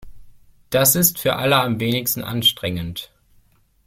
Das ist für alle am wenigsten anstrengend.